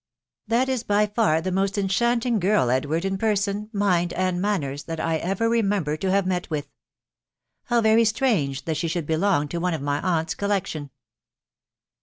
" That is by far the most enchanting girl, Edward, in per son, mind, and manners, that I ever remember to have met with. ... How very strange that she should belong to one of my aunt's collection.